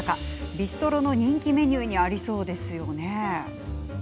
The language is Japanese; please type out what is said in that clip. ビストロの人気メニューにありそうですよね。